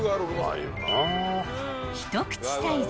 ［一口サイズ